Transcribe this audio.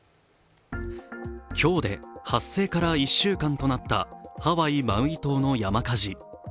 今日で発生から１週間となったハワイ・マウイ島の山火事。